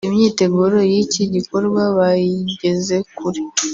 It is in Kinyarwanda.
Imyiteguro y’iki gikorwa bayigeze kure